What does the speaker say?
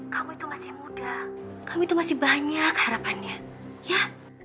kamu itu masih muda kamu itu masih banyak harapannya ya